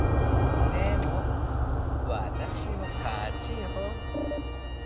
でもわたしのかちよ！